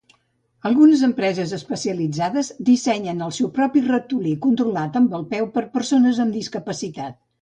Algunes empreses especialitzades dissenyen el seu propi ratolí controlat amb el peu per persones amb discapacitat.